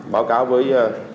báo cáo với